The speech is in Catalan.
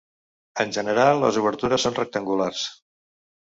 En general les obertures són rectangulars.